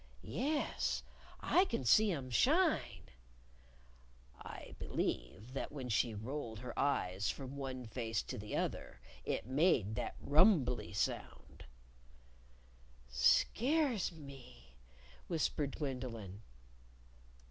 "Yes. I can see 'em shine!" "I believe that when she rolled her eyes from one face to the other it made that rumbley sound." "Scares me," whispered Gwendolyn.